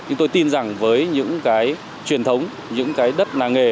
nhưng tôi tin rằng với những cái truyền thống những cái đất làng nghề